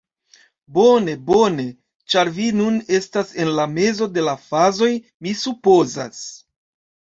Bone, bone, ĉar vi nun estas en la mezo de la fazoj mi supozas.